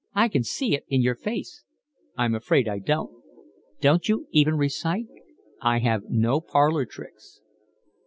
"I can see it in your face." "I'm afraid I don't." "Don't you even recite?" "I have no parlour tricks."